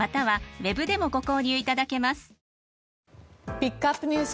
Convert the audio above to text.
ピックアップＮＥＷＳ